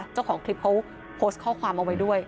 เจ้าของคลิปเขาโพสต์ข้อความเอาไว้ด้วย